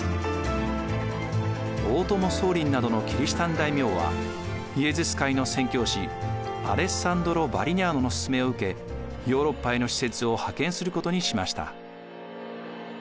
大友宗麟などのキリシタン大名はイエズス会の宣教師アレッサンドロ・ヴァリニャーノの勧めを受けヨーロッパへの使節を派遣することにしました。